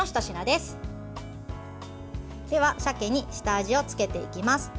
では、さけに下味をつけていきます。